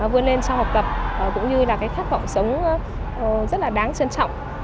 vươn lên trong học tập cũng như là cái khát vọng sống rất là đáng trân trọng